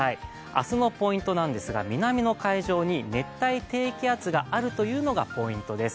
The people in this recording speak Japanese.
明日のポイントですが、南の海上に熱帯低気圧があるというのがポイントです。